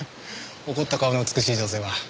怒った顔の美しい女性は。